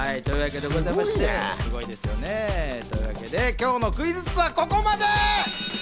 すごいね。ということで、今日のクイズッスはここまで。